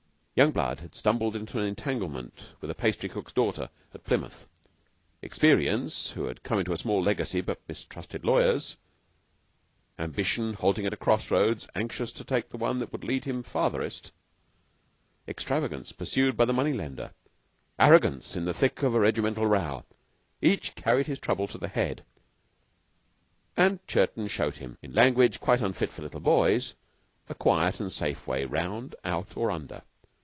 Young blood who had stumbled into an entanglement with a pastry cook's daughter at Plymouth; experience who had come into a small legacy but mistrusted lawyers; ambition halting at cross roads, anxious to take the one that would lead him farthest; extravagance pursued by the money lender; arrogance in the thick of a regimental row each carried his trouble to the Head; and Chiron showed him, in language quite unfit for little boys, a quiet and safe way round, out, or under.